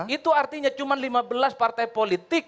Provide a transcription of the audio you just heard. itu artinya cuma lima belas partai politik